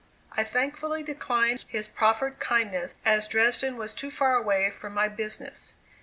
I thankfully declined his proffered kindness, as Dresden was too far away from my business.